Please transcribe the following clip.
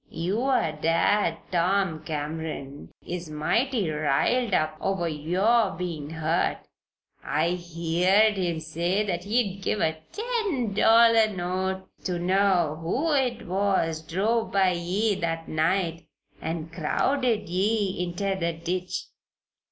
Your dad, Tom Cameron, is mighty riled up over your bein' hurt. I heered him say that he'd give a ten dollar note ter know who it was drove by ye that night and crowded ye inter the ditch.